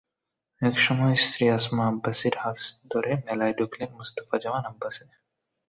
একসময় স্ত্রী আসমা আব্বাসীর হাত ধরে মেলায় ঢুকলেন মুস্তাফা জামান আব্বাসী।